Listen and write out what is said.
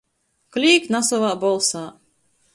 Klīgt nasovā bolsā.